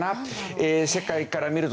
世界から見るとですね